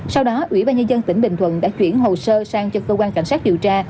sau đó ủy ban nhân dân tỉnh bình thuận đã chuyển hồ sơ sang cho cơ quan cảnh sát điều tra